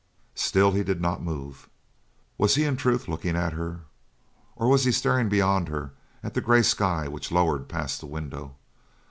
Still he did not move. Was he in truth looking at her, or was he staring beyond her at the grey sky which lowered past the window?